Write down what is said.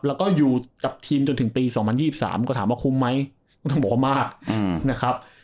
แล้วก็อยู่กับทีมจนถึงปี๒๐๒๓ก็ถามว่าคุ้มไหมต้องบอกว่ามากนะครับ